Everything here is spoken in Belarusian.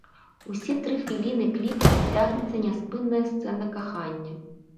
Усе тры хвіліны кліпа цягнецца няспынная сцэна кахання.